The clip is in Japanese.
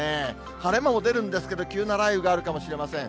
晴れ間も出るんですけど、急な雷雨があるかもしれません。